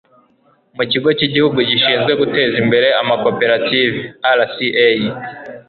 mu kigo cy 'igihugu gishinzwe guteza imbere amakoperative /rca